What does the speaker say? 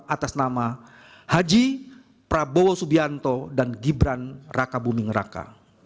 atas nama haji prabowo subianto dan gibran raka buming raka